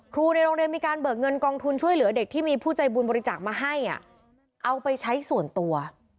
ในโรงเรียนมีการเบิกเงินกองทุนช่วยเหลือเด็กที่มีผู้ใจบุญบริจาคมาให้เอาไปใช้ส่วนตัว